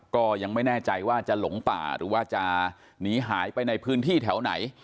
ก็ยังไม่แน่ใจว่าจะหลงป่าหรือว่าจะหนีหายไปในพื้นที่แถวไหน